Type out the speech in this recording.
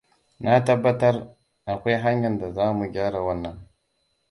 Na tabbatar, akwai hanyar da za mu gyara wannan.